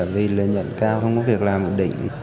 vì lợi nhuận cao không có việc làm ổn định